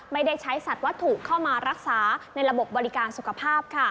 ไม่ได้ใช้สัตว์วัตถุเข้ามารักษาในระบบบริการสุขภาพ